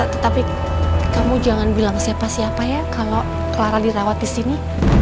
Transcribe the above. tetapi kamu jangan bilang siapa siapa ya kalau clara dirawat di sini